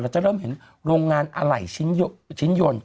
จะเริ่มเห็นโรงงานอะไหล่ชิ้นยนต์